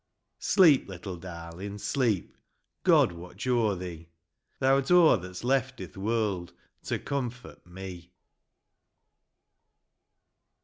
Sleep, little darlin', sleep ; God watch o'er thee ! Thou'rt o' that's left i'th world, To comfort me